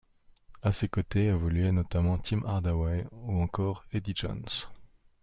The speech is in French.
À ses côtés, évoluaient notamment Tim Hardaway ou encore Eddie Jones.